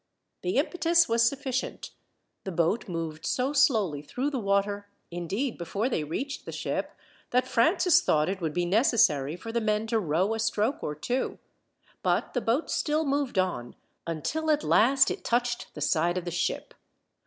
The impetus was sufficient. The boat moved so slowly through the water, indeed, before they reached the ship, that Francis thought it would be necessary for the men to row a stroke or two; but the boat still moved on, until at last it touched the side of the ship.